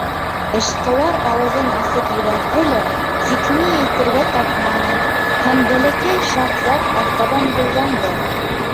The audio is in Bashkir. Эшҡыуар ауыҙын асып ебәрҙе лә, тик ни әйтергә тапманы, һәм Бәләкәй шаһзат артабан юлланды.